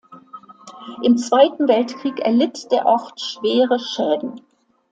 Im Zweiten Weltkrieg erlitt der Ort schwere Schäden.